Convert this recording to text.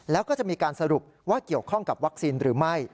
แล้วก็จะมีการสรุปว่าเกี่ยวข้องกับวัคซีนหรือไม่